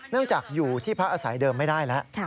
เนื่องจากอยู่ที่พระอาศัยเดิมไม่ได้แล้ว